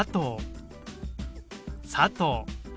「佐藤」。